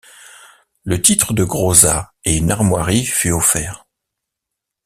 Le titre de Crausaz et une armoirie fut offert.